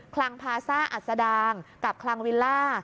คลังพาซ่าอัศดางกับคลังวิลล่า